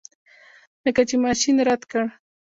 لکه چې ماشین رد کړ.